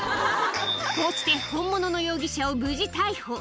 そうして本物の容疑者を無事逮捕。